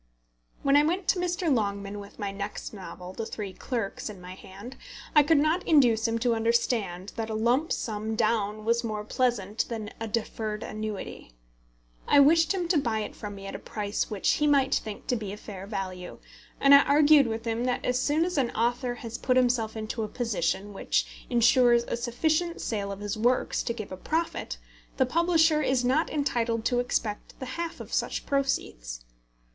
When I went to Mr. Longman with my next novel, The Three Clerks, in my hand, I could not induce him to understand that a lump sum down was more pleasant than a deferred annuity. I wished him to buy it from me at a price which he might think to be a fair value, and I argued with him that as soon as an author has put himself into a position which insures a sufficient sale of his works to give a profit, the publisher is not entitled to expect the half of such proceeds.